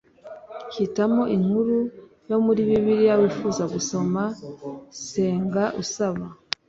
Hitamo inkuru yo muri bibiliya wifuza gusoma senga usaba